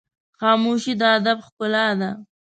خاموشي، د ادب ښکلا ده.